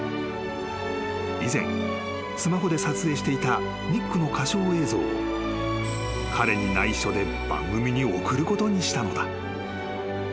［以前スマホで撮影していたニックの歌唱映像を彼に内緒で番組に送ることにしたのだ］